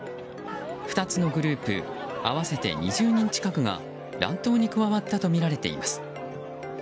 ２つのグループ合わせて２０人近くが乱闘に加わったとみられています。